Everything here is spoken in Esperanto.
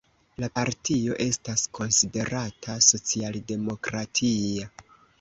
La partio estas konsiderata socialdemokratia.